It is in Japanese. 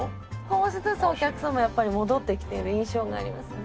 少しずつお客さんもやっぱり戻ってきている印象がありますね。